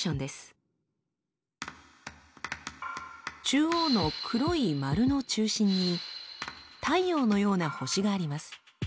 中央の黒い丸の中心に太陽のような星があります。